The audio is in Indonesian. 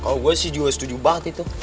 oh gue sih juga setuju banget itu